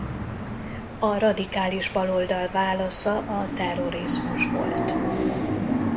A radikális baloldal válasza a terrorizmus volt.